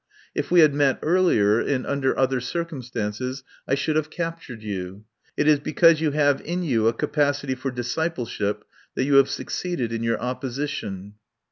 If we had met earlier and under other circum stances I should have captured you. It is be cause you have in you a capacity for disciple ship that you have succeeded in your opposi tion."